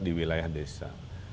di wilayah desa